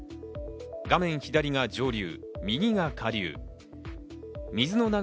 画面左が上流、右が下流。